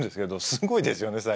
すごいですね。